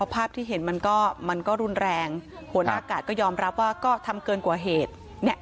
อภาพที่เห็นมันก็รุนแรงขวนอากาศก็ยอมรับว่าก็ทำเกินกว่าเหตุ